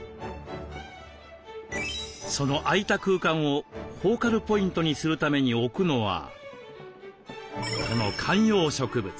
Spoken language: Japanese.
その空いた空間をフォーカルポイントにするために置くのはこの観葉植物。